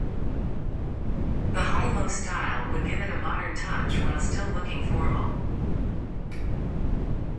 The high-low style would give it a modern touch while still looking formal.